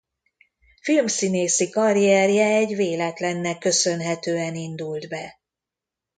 Filmszínészi karrierje egy véletlennek köszönhetően indult be.